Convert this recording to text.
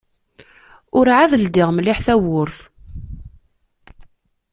Ur-ɛad ldiɣ mliḥ tawwurt.